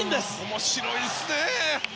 面白いですね！